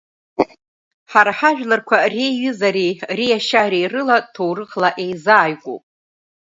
Ҳара ҳажәларқәа реиҩызареи реиашьареи рыла ҭоурыхла еизааигәоуп.